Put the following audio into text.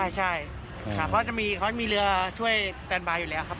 ใช่ค่ะเพราะจะมีเรือช่วยสแตนบายอยู่แล้วครับ